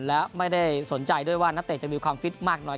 และไม่ได้สนใจด้วยว่านักเตะจะมีความฟิตมากน้อย